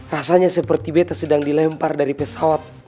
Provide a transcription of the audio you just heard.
rasanya seperti beta sedang dilempar dari pesawat